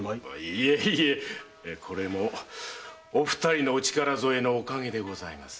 いえいえこれもお二人のお力添えのお陰でございます。